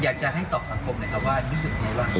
อยากจะให้ตอบสังคมนะครับว่ารู้สึกไงตอนนี้